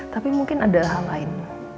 tapi mungkin ada hal lain